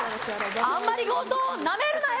あんまり強盗をナメるなよ！